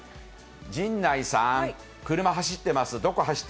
陣内さん、車、走ってます。